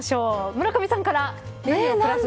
村上さんから。